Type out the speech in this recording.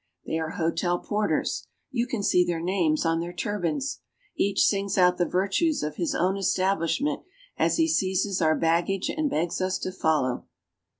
They are hotel porters. You can see their names on their turbans. Each sings out the virtues of his own establishment as he seizes our baggage and begs us to follow.